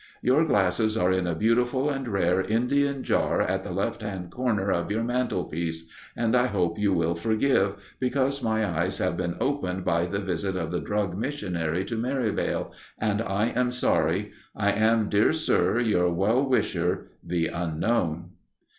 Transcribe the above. "Your glasses are in a beautiful and rare Indian jar at the left hand corner of your mantel piece, and I hope you will forgive, because my eyes have been opened by the visit of the Drug Missionary to Merivale, and I am sorry. "I am, dear Sir, your well wisher, "THE UNKNOWN."